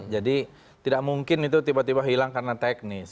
jadi tidak mungkin itu tiba tiba hilang karena teknis